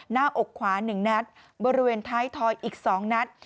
หน้าอกขวา๑นัดบริเวณท้ายทอยอีก๒นัด